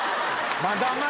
まだまだ。